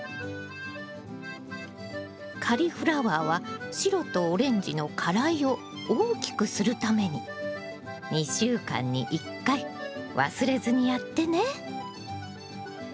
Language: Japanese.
カリフラワーは白とオレンジの花蕾を大きくするために２週間に１回忘れずにやってね！